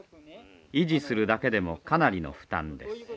維持するだけでもかなりの負担です。